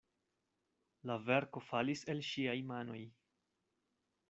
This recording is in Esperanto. La verko falis el ŝiaj manoj.